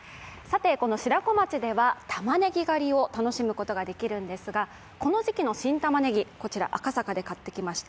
この白子町では玉ねぎ狩りを楽しむことができるんですがこの時期の新玉ねぎ、こちら、赤坂で買ってきました。